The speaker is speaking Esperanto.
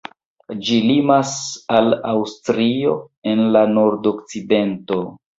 Ĝi limas al Aŭstrio en la nordokcidento.